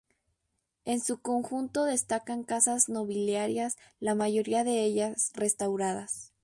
En su conjunto destacan casas nobiliarias, la mayoría de ellas restauradas.